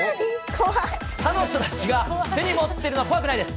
彼女たちが手に持っているのは、怖くないです。